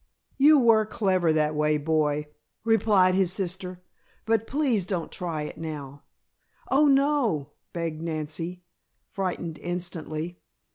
"You were clever that way, boy," replied his sister, "but please don't try it now." "Oh, no," begged Nancy, frightened instantly.